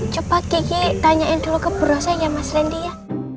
coba gigi tanyain dulu ke bu rosa ya mas rendy ya